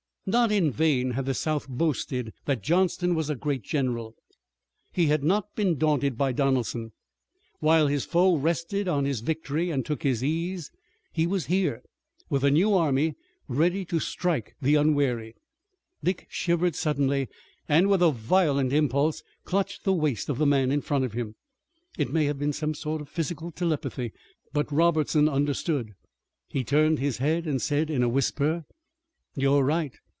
Not in vain had the South boasted that Johnston was a great general. He had not been daunted by Donelson. While his foe rested on his victory and took his ease, he was here with a new army, ready to strike the unwary. Dick shivered suddenly, and, with a violent impulse, clutched the waist of the man in front of him. It may have been some sort of physical telepathy, but Robertson understood. He turned his head and said in a whisper: "You're right.